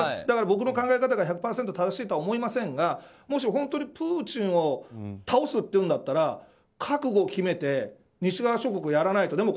だから僕の考え方が１００％正しいとは思いませんがもし本当にプーチンを倒すっていうんだったら覚悟を決めて西側諸国がやらないと。